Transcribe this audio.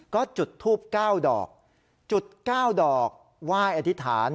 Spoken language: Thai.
ก็จุดทูบ๙ดอกจุด๙ดอกไหว้อธิษฐาน